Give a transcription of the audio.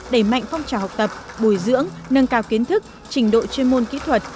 đẩy mạnh phong trào học tập bồi dưỡng nâng cao kiến thức trình độ chuyên môn kỹ thuật